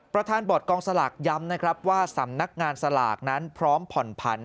ประธานบอร์ดกองสลากย้ำนะครับว่าสำนักงานสลากนั้นพร้อมผ่อนผัน